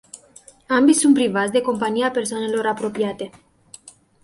Ambii sunt privați de compania persoanelor apropiate.